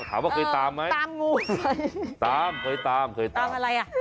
ถามว่าเคยตามไหมตามงูเคยตามเคยตามเคยตามตามอะไรอ่ะ